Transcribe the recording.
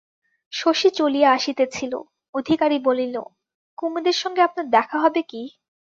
শশী চলিয়া আসিতেছিল, অধিকারী বলিল, কুমুদের সঙ্গে আপনার দেখা হবে কি?